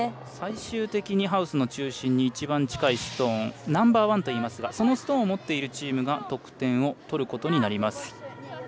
最終的にハウスの中心に一番近いストーンナンバーワンといいますがそのストーンを持っているチームが得点を取ることになります。